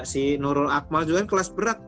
si nurul akmal juga kan kelas berat